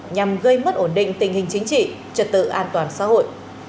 nhằm gây mất ổn định tình hình chính trị trật tự an toàn xã hội